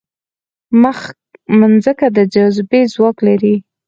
مځکه د جاذبې ځواک لري.